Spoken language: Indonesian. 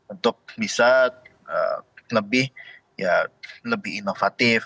untuk bisa lebih inovatif